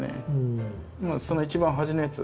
その一番端のやつ。